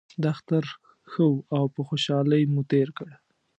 دا اختر ښه و او په خوشحالۍ مو تیر کړ